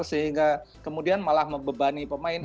sehingga kemudian malah membebani pemain